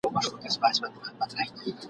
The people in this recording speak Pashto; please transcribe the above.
لېونوته په کار نه دي تعبیرونه ..